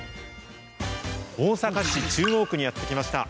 大阪市中央区にやって来ました。